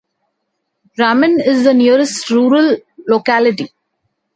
Ramen is the nearest rural locality.